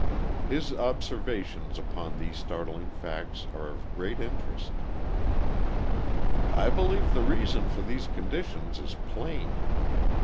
His observations upon these startling facts are of great interest: "I believe the reason for these conditions is plain.